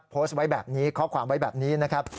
โพสต์ไว้แบบนี้ข้อความไว้แบบนี้นะครับ